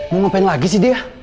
mau ngapain lagi sih dea